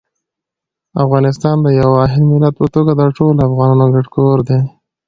افغانستان د یو واحد ملت په توګه د ټولو افغانانو ګډ کور دی.